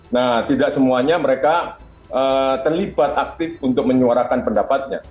nah tidak semuanya mereka terlibat aktif untuk menyuarakan pendapatnya